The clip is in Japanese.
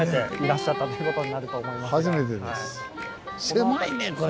狭いねこれ。